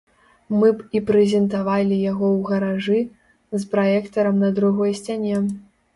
Мы б і прэзентавалі яго ў гаражы, з праектарам на другой сцяне.